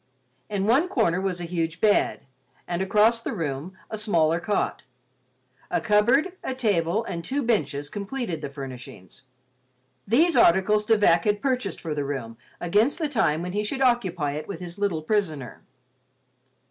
In one corner was a huge bed, and across the room a smaller cot; a cupboard, a table, and two benches completed the furnishings. These articles De Vac had purchased for the room against the time when he should occupy it with his little prisoner.